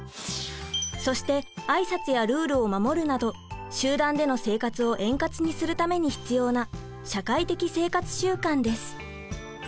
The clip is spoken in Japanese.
そして挨拶やルールを守るなど集団での生活を円滑にするために必要な社会的生活習慣です。